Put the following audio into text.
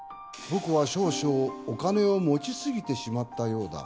「僕は少々お金を持ち過ぎてしまったようだ」